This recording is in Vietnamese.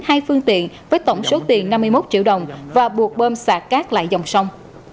hai phương tiện với tổng số tiền năm mươi một triệu đồng và buộc bơm sạc cát lại dòng sông